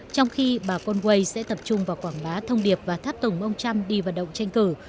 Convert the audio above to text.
trong khi bà ponway sẽ tập trung vào quảng bá thông điệp và tháp tùng ông trump đi vận động tranh cử